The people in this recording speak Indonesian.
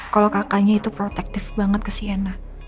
kalau kakaknya itu protektif banget ke sienna